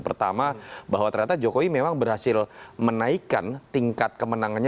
pertama bahwa ternyata jokowi memang berhasil menaikkan tingkat kemenangannya